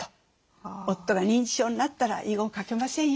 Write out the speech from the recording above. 夫が認知症になったら遺言書けませんよ。